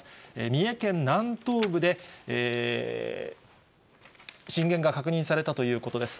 三重県南東部で震源が確認されたということです。